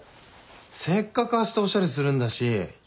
せっかくあしたおしゃれするんだし。